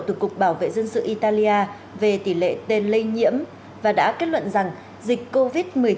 từ cục bảo vệ dân sự italia về tỷ lệ tên lây nhiễm và đã kết luận rằng dịch covid một mươi chín